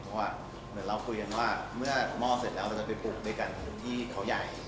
เพราะว่าเหมือนเราคุยกันว่าเมื่อหม้อเสร็จแล้วเราจะไปปลูกด้วยกันที่เขาใหญ่